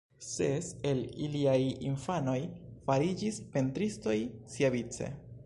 Ses el iliaj infanoj fariĝis pentristoj siavice.